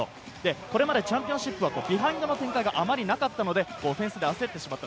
これまでチャンピオンシップ、ビハインドの展開があまりなかったのでオフェンスで焦ってしまった。